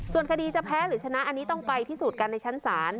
ส่วนคดีจะแพ้หรือชนะอันนี้ต้องไปพิสูจน์กันในชั้นศาล